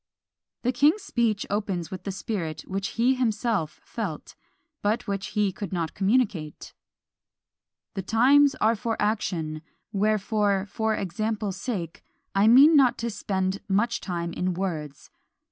The king's speech opens with the spirit which he himself felt, but which he could not communicate: "The times are for action: wherefore, for example's sake, I mean not to spend much time in words!